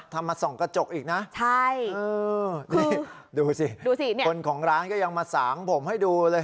ทำมาส่องกระจกอีกนะคือดูสิคนของร้านก็ยังมาสางผมให้ดูเลย